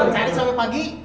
cari sampai pagi